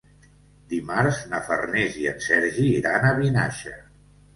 Dimarts na Farners i en Sergi iran a Vinaixa.